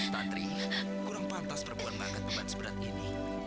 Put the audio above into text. tantri kurang pantas perempuan makan beban seberat ini